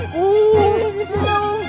kuuu di sini dong